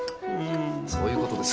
そういうことですか。